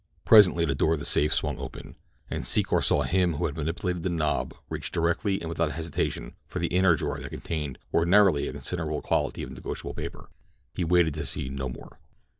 Presently the door of the safe swung open, and Secor saw him who had manipulated the knob reach directly and without hesitation for the inner drawer that contained, ordinarily, a considerable quantity of negotiable paper. He waited to see no more.